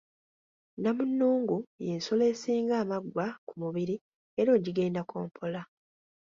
Nnamunnungu y’ensolo esinga amaggwa ku mubiri era ogigendako mpola.